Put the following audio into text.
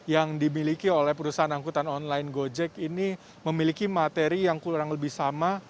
yang dimiliki oleh perusahaan angkutan online gojek ini memiliki materi yang kurang lebih sama